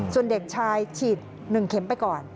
ส่วนเด็กชายฉีด๑เข็มไปก่อน